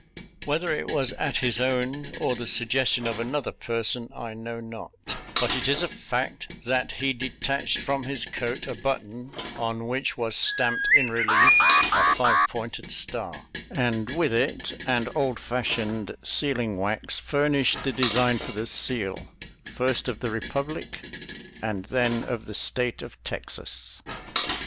Whether it was at his own or the suggestion of another person, I know not, but it is a fact that he detached from his coat a button on which was stamped in relief a five pointed star, and with it and old fashioned seal ing wax furnished the design for the seal, first of the Eepublic and then of the State of Texas.